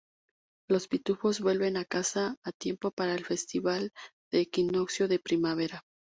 Los pitufos vuelven a casa a tiempo para el festival del Equinoccio de Primavera.